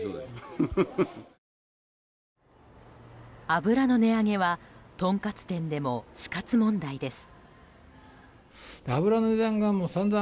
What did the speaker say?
油の値上げはとんかつ店でも死活問題です。